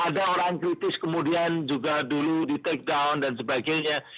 ada orang kritis kemudian juga dulu di take down dan sebagainya